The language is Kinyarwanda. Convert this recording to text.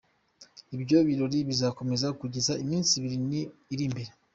Ibyo birori bizakomeza kugeza iminsi ibiri iri imbere.